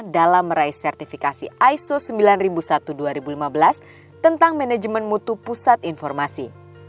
dalam meraih sertifikasi iso sembilan ribu satu dua ribu lima belas tentang manajemen mutu pusat informasi